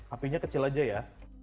apinya kecil aja ya